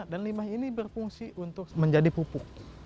dan limbah ini berfungsi untuk menjadi pupuk